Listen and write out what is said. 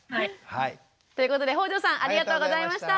ということで北條さんありがとうございました。